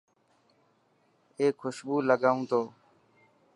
اي خوشبو لگائون تو.